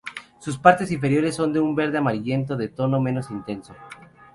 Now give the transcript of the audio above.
Sus partes inferiores son de un verde amarillento de tono menos intenso.